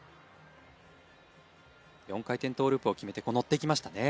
４回転トーループを決めて乗っていきましたね。